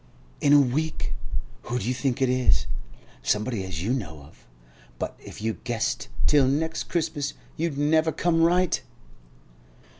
'In a week. Who do you think it is? Somebody as you know of, but if you guessed till next Christmas you'd never come right.